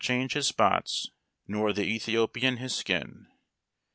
99 change his spots nor the Etliiopian his skin.